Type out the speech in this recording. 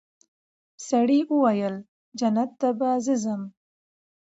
سړي وویل جنت ته به زه ځمه